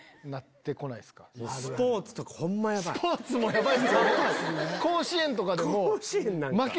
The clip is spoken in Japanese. スポーツもヤバいっすよね。